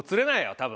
多分。